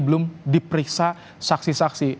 belum diperiksa saksi saksi